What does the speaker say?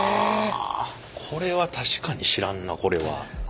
これは確かに知らんなこれは。